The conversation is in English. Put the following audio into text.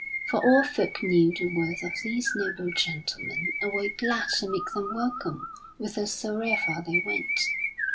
For all folk knew the worth of these noble gentlemen and were glad to make them welcome whithersoever they went.